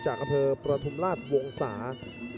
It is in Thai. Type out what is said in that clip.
จากอเผอร์ประธุมราชวงศาสตร์